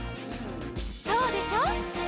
「そうでしょ？」